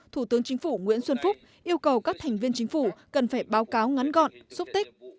thủ tướng chính phủ nguyễn xuân phúc yêu cầu các thành viên chính phủ cần phải báo cáo ngắn gọn xúc tích